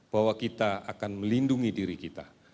bahwa kita akan melindungi diri kita